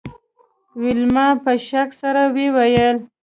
ویلما په شک سره وویل